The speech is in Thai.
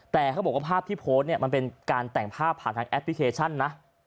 แต่เขาบอกว่าภาพที่โพสต์เนี่ยมันเป็นการแต่งภาพผ่านทางแอปพลิเคชันนะ